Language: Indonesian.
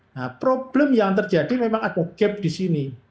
nah problem yang terjadi memang ada gap di sini